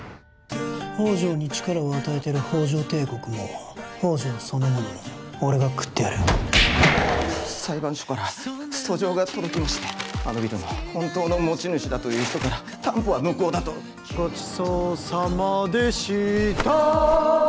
宝条に力を与えてる宝条帝国も宝条そのものも俺が喰ってやる裁判所から訴状が届きましてあのビルの本当の持ち主だという人から担保は無効だとごちそうさまでした